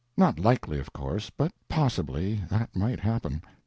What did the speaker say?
Not likely, of course, but possibly that might happen.